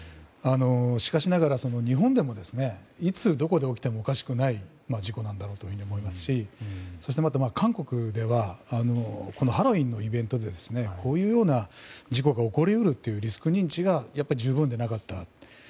しかしながら、日本でもいつどこで起きてもおかしくない事故なんだろうと思いますしそしてまた、韓国ではハロウィーンのイベントでこういう事故が起こり得るというリスク認知が十分でなかった。